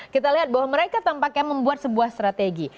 kita lihat bahwa mereka tampaknya membuat sebuah strategi